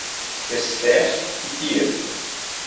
Esther e Pietro